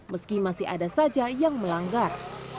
meski masih ada saja yang melanggar